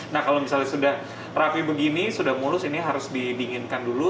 nah kalau misalnya sudah rapi begini sudah mulus ini harus didinginkan dulu